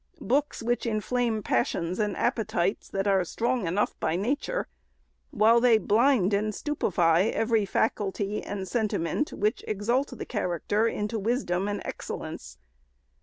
— books which inflame passions and appetites that are strong enough by nature, while they blind and stupefy every faculty and sentiment which exalt the character into wisdom and excellence.